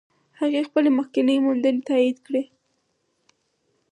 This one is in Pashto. هغې خپلې مخکینۍ موندنې تایید کړې.